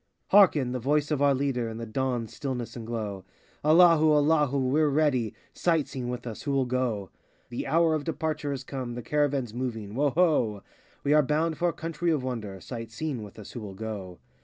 Hearken! the voice of our leader In the dawn's stillness and glow : Allahu, Allahu! We're ready! Sight seeing with us, who will go? The hour of departure is come, The caravan 's moving. Woh ho! We are bound for a country of wonder. Sight seeing with us, who will go?